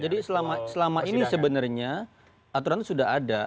jadi selama ini sebenarnya aturan sudah ada